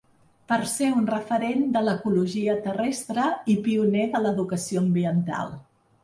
Per ser un referent de l’ecologia terrestre i pioner de l’educació ambiental.